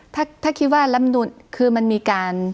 ถ้าคิดว่าลำนุนคือมันมีการ